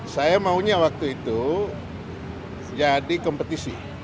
saya maunya waktu itu jadi kompetisi